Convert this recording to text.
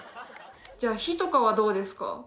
じゃあ火とかはどうですか？